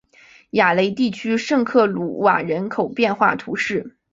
雅雷地区圣克鲁瓦人口变化图示